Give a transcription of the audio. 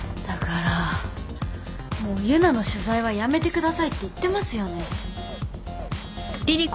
だからもう結奈の取材はやめてくださいって言ってますよね？